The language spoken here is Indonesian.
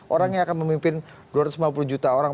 orang yang akan memimpin dua ratus lima puluh juta orang